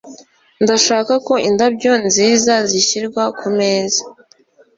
ndashaka ko indabyo nziza zishyirwa kumeza